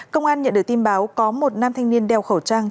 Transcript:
công an nhận được tin báo có một nam thanh niên đeo khẩu trang